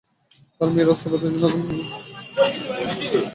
তার মেয়ের অস্ত্রোপচারের জন্য অগ্রিম ফি পরিশোধ করেছে।